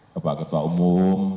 bapak ketua umum